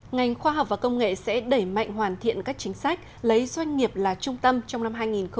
ngành khoa học và công nghệ sẽ đẩy mạnh hoàn thiện các chính sách lấy doanh nghiệp là trung tâm trong năm hai nghìn hai mươi